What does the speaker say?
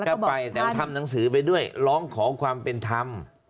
ก็ไปแต่ว่าทำหนังสือไปด้วยร้องขอความเป็นธรรม